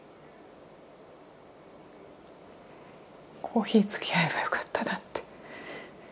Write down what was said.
コーヒーつきあえばよかったなって。